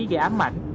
gây ám ảnh